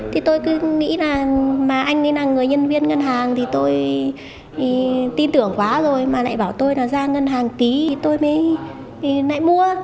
thì tôi cứ nghĩ là mà anh ấy là người nhân viên ngân hàng thì tôi tin tưởng quá rồi mà lại bảo tôi là ra ngân hàng ký tôi mới lại mua